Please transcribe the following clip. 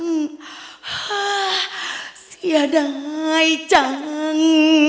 ฮะเสียดายจัง